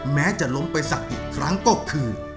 แม้จะล้มไปสักอีกครั้งก็คือ